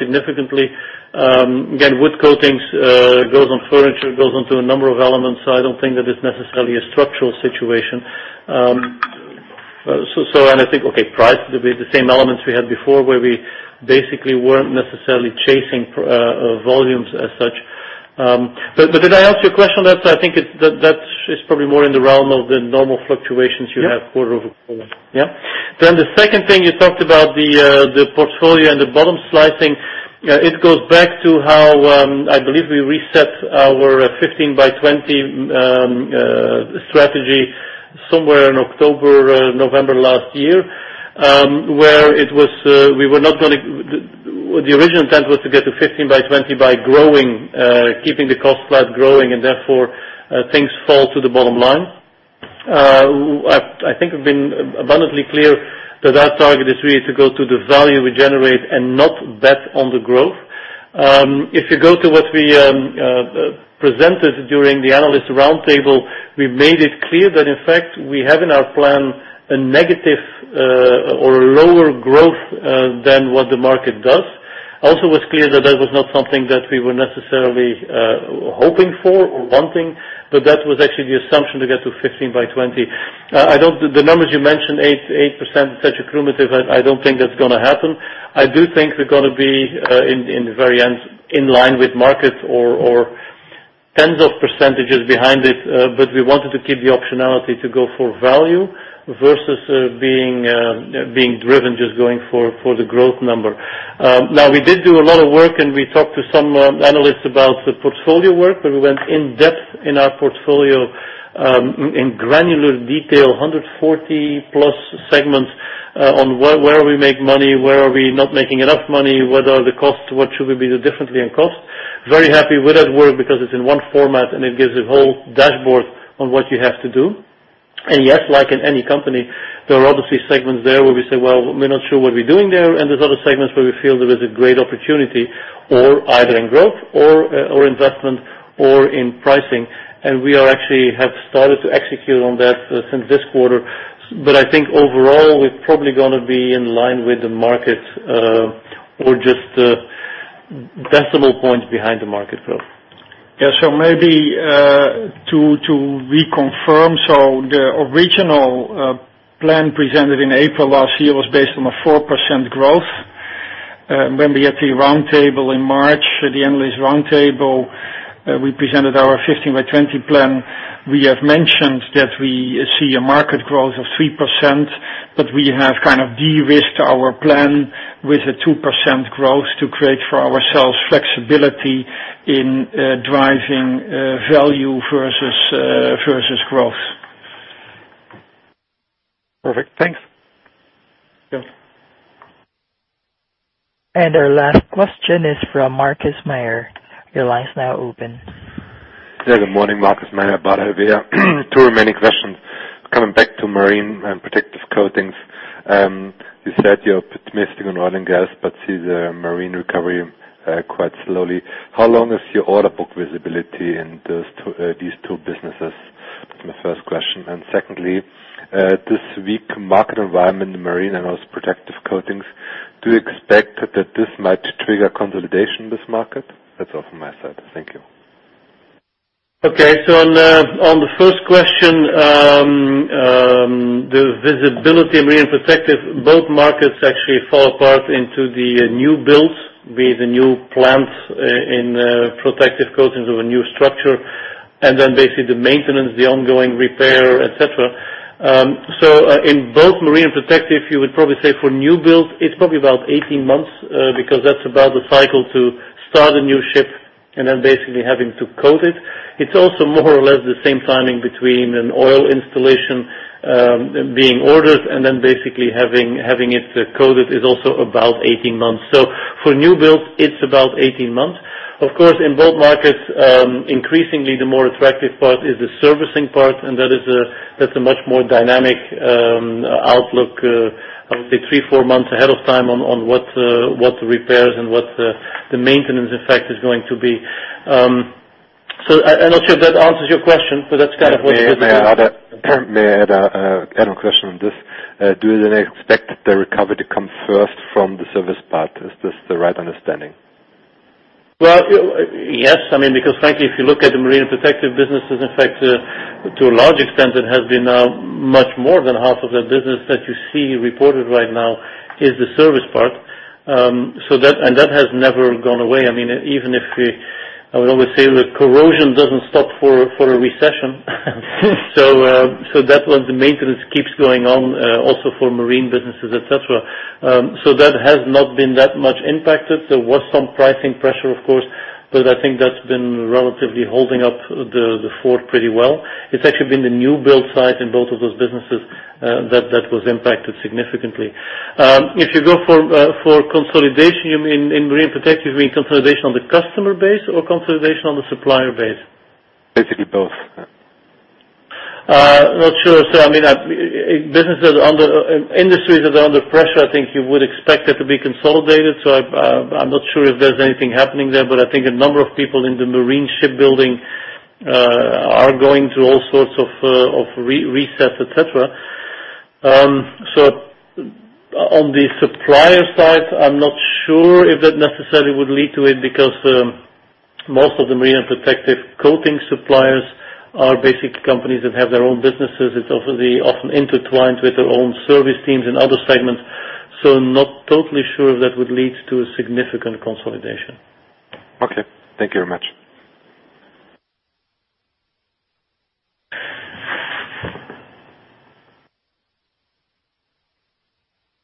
significantly. Again, Wood Coatings, goes on furniture, goes onto a number of elements. I do not think that it is necessarily a structural situation. And I think, price will be the same elements we had before, where we basically were not necessarily chasing volumes as such. Did I answer your question? I think that is probably more in the realm of the normal fluctuations you have quarter-over-quarter. Yeah. The second thing, you talked about the portfolio and the bottom slicing. It goes back to how, I believe we reset our 15 by 20 strategy somewhere in October, November last year, where the original intent was to get to 15 by 20 by growing, keeping the cost flat, growing, and therefore, things fall to the bottom line. I think I have been abundantly clear that our target is really to go to the value we generate and not bet on the growth. If you go to what we presented during the analyst roundtable, we made it clear that in fact, we have in our plan a negative or a lower growth than what the market does. It also was clear that that was not something that we were necessarily hoping for or wanting, but that was actually the assumption to get to 15 by 20. The numbers you mentioned, 8% is such a cumulative, I do not think that is going to happen. I do think we are going to be, in the very end, in line with markets or tens of percentages behind it. We wanted to keep the optionality to go for value versus being driven, just going for the growth number. We did do a lot of work, and we talked to some analysts about the portfolio work, where we went in-depth in our portfolio, in granular detail, 140 plus segments, on where we make money, where are we not making enough money, what are the costs, what should we be doing differently on costs. We are very happy with that work because it is in one format, and it gives a whole dashboard on what you have to do. Yes, like in any company, there are obviously segments there where we say, "We are not sure what we are doing there," and there are other segments where we feel there is a great opportunity, either in growth or investment or in pricing. We actually have started to execute on that since this quarter. I think overall, we are probably going to be in line with the market or just decimal points behind the market growth. Maybe to reconfirm, the original plan presented in April last year was based on a 4% growth. When we had the roundtable in March, the analyst roundtable, we presented our 15 by 20 plan. We have mentioned that we see a market growth of 3%, but we have kind of de-risked our plan with a 2% growth to create for ourselves flexibility in driving value versus growth. Perfect. Thanks. Yes. Our last question is from Markus Mayer. Your line's now open. Yeah. Good morning, Markus Mayer, Bank of America. Two remaining questions. Coming back to Marine and Protective Coatings. You said you're optimistic on oil and gas, but see the Marine recovery quite slowly. How long is your order book visibility in these two businesses? That's my first question. Secondly, this weak market environment in Marine and also Protective Coatings, do you expect that this might trigger consolidation in this market? That's all from my side. Thank you. Okay. On the first question, the visibility of Marine Protective, both markets actually fall apart into the new builds with the new plants in Protective Coatings of a new structure, and then basically the maintenance, the ongoing repair, et cetera. In both Marine Protective, you would probably say for new builds, it's probably about 18 months, because that's about the cycle to start a new ship and then basically having to coat it. It's also more or less the same timing between an oil installation being ordered and then basically having it coated is also about 18 months. For new builds, it's about 18 months. Of course, in both markets, increasingly the more attractive part is the servicing part, and that's a much more dynamic outlook, I would say three, four months ahead of time on what the repairs and what the maintenance effect is going to be. I'm not sure if that answers your question, but that's kind of what the visibility is. May I add a follow-up question on this? Do you then expect the recovery to come first from the service part? Is this the right understanding? Well, yes, because frankly, if you look at the Marine Protective businesses, in fact, to a large extent, it has been much more than half of that business that you see reported right now is the service part. That has never gone away. I would always say the corrosion doesn't stop for a recession. That one, the maintenance keeps going on, also for marine businesses, et cetera. That has not been that much impacted. There was some pricing pressure, of course, but I think that's been relatively holding up the fort pretty well. It's actually been the new build site in both of those businesses that was impacted significantly. If you go for consolidation, you mean in Marine Protective, you mean consolidation on the customer base or consolidation on the supplier base? Basically both. Not sure. Industries that are under pressure, I think you would expect it to be consolidated. I'm not sure if there's anything happening there, but I think a number of people in the marine shipbuilding are going through all sorts of recess, et cetera. On the supplier side, I'm not sure if that necessarily would lead to it because most of the marine protective coating suppliers are basically companies that have their own businesses. It's often intertwined with their own service teams and other segments, not totally sure if that would lead to a significant consolidation. Okay. Thank you very much.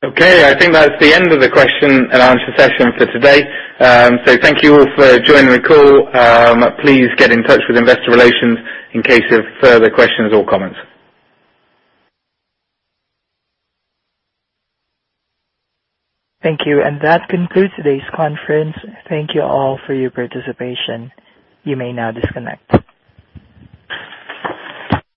Okay. I think that's the end of the question and answer session for today. Thank you all for joining the call. Please get in touch with Investor Relations in case of further questions or comments. Thank you. That concludes today's conference. Thank you all for your participation. You may now disconnect.